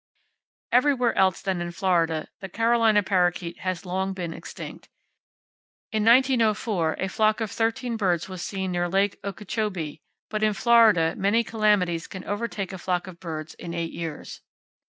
Everywhere else than in Florida, the Carolina parrakeet has long been extinct. In 1904 a flock of 13 birds was seen near Lake Okechobee; but in Florida many calamities can overtake a flock of birds in eight years.